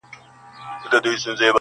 ناهيلی نه یم، بیا هم سوال کومه ولي، ولي.